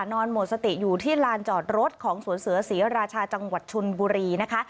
นอนหมดสติอยู่ที่ลานจอดรถของสวนเสือศรีราชาจังหวัดชนบุรีนะคะ